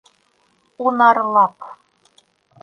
Унарлап